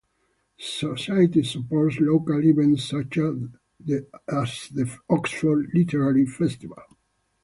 The Society supports local events such as the Oxford Literary Festival.